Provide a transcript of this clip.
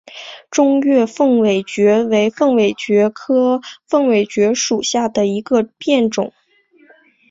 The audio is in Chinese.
中越凤尾蕨为凤尾蕨科凤尾蕨属下的一个变种。